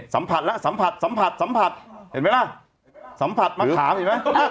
สัมผัสแล้วสัมผัสสัมผัสสัมผัสเห็นไหมล่ะสัมผัสมะขามอีกไหม